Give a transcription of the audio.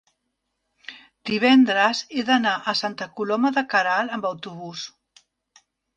divendres he d'anar a Santa Coloma de Queralt amb autobús.